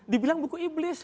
dibilang buku iblis